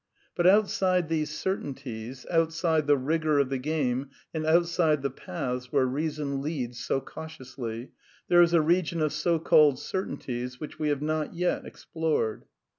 But outside these certainties, outside the rigour of the game, and outside the paths where reason leads so cau tiously, there is a region of so called certainties which we have not yet explored.